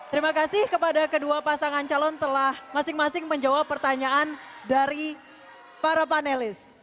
terima kasih kepada kedua pasangan calon telah masing masing menjawab pertanyaan dari para panelis